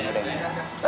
udah yan udah